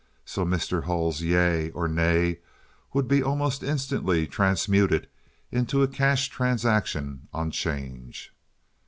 So Mr. Hull's "yea" or "nay" would be almost instantly transmuted into a cash transaction on 'change.